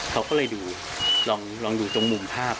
เขาก็เลยดูลองดูตรงมุมภาพ